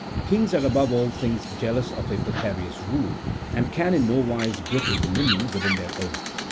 Kings are above all things jealous of a precarious rule, and can in nowise brook a dominion within their own.